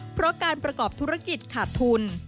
เพราะการประกอบธุรกิจขาดทุน